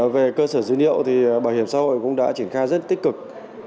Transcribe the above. về cơ sở dữ liệu thì bảo hiểm xã hội cũng đã triển khai rất tích cực